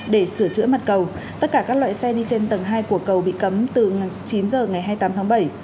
để sửa chữa mặt cầu tất cả các loại xe đi trên tầng hai của cầu bị cấm từ chín h ngày hai mươi tám tháng bảy